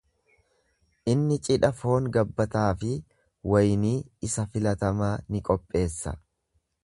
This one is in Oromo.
Inni cidha foon gabbataa fi waynii isa filatamaa ni qopheessa.